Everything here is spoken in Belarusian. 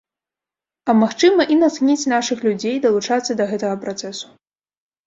А, магчыма, і натхніць нашых людзей далучацца да гэтага працэсу.